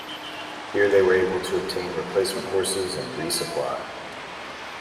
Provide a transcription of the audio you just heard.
Here they were able to obtain replacement horses and resupply.